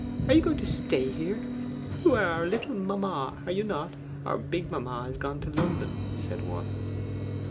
Are you going to stay here? You are our little mamma, are you not our big mamma is gone to London,' said one.